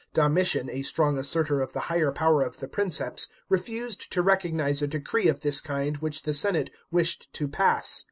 Domitian, a strong asserter of the higher power of the Princeps, refused to recognise a decree of this kind which the senate wished to pass.